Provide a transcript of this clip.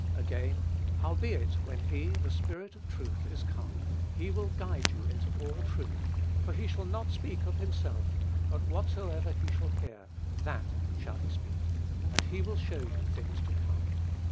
Again, "Howbeit when he the Spirit of truth is come, he will guide you into all truth; for he shall not speak of himself; but whatsoever he shall hear, that shall he speak; and he will show you things to come.